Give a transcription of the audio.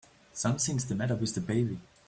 Something's the matter with the baby!